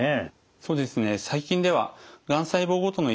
そうですね